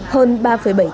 hơn ba bảy triệu đồng